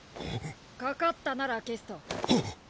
かかったなラキスト。